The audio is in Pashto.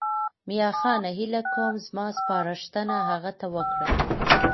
میاخانه هیله کوم زما سپارښتنه هغه ته وکړه.